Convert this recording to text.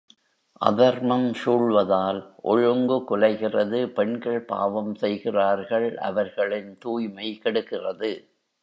அதர்மம் சூழ்வதால், ஒழுங்கு குலைகிறது பெண்கள் பாவம் செய்கிறார்கள் அவர்களின் தூய்மை கெடுகிறது.